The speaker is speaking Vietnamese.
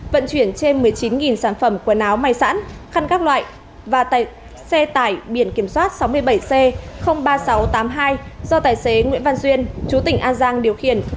vận chuyển trên một mươi chín sản phẩm quần áo may sẵn khăn các loại và xe tải biển kiểm soát sáu mươi bảy c ba nghìn sáu trăm tám mươi hai do tài xế nguyễn văn duyên chú tỉnh an giang điều khiển